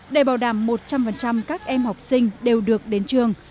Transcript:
để bảo đảm một trăm linh các em học sinh đều được đến trường